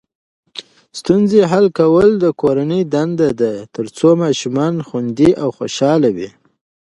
ستونزې حل کول د کورنۍ دنده ده ترڅو ماشومان خوندي او خوشحاله وي.